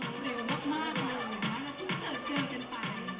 สงเร็วมากเลยนะพึ่งเจอเจอกันไป